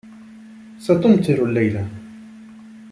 .ستمطر الليلة